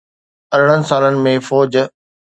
ارڙهن سالن ۾ فوج